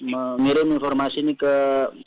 mengirim informasi ini ke